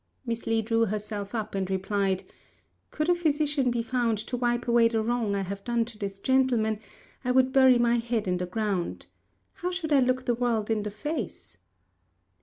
Miss Li drew herself up, and replied, "Could a physician be found to wipe away the wrong I have done to this gentleman, I would bury my head in the ground. How should I look the world in the face?"